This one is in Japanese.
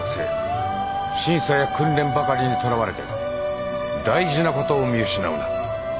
審査や訓練ばかりにとらわれて大事なことを見失うな。